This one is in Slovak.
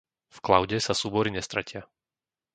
V cloude sa súbory nestratia.